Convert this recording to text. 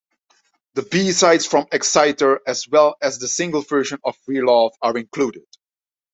The B-sides from "Exciter" as well as the single version of "Freelove" are included.